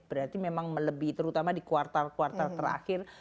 berarti memang melebih terutama di kuartal kuartal terakhir